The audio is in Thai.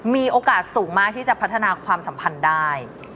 มีโอกาสสูงมากที่จะพัฒนาความสัมพันธ์ได้